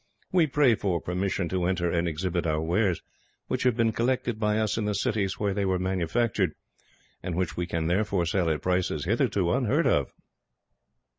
We pray for permission to enter and exhibit our wares, which have been collected by us in the cities where they were manufactured, and which we can therefore sell at prices hitherto unheard of."